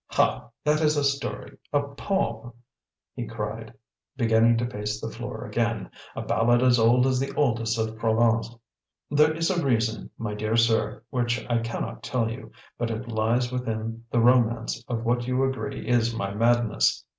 "Ha, that is a story, a poem," he cried, beginning to pace the floor again "a ballad as old as the oldest of Provence! There is a reason, my dear sir, which I cannot tell you, but it lies within the romance of what you agree is my madness.